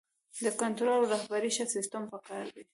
د کنټرول او رهبرۍ ښه سیستم پکار دی.